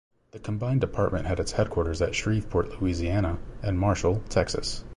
The combined department had its headquarters at Shreveport, Louisiana, and Marshall, Texas.